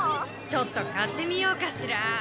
ちょっと買ってみようかしら。